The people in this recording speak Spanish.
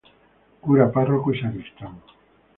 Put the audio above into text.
Cura párroco y sacristán.